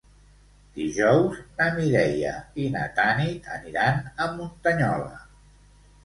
Dijous na Mireia i na Tanit aniran a Muntanyola.